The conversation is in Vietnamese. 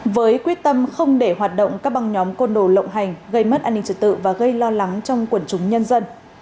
với quyết tâm không để hoạt động các băng nhóm côn đồ lộng hành gây mất an ninh trật tự và gây lo lắng trong quần chúng nhân dân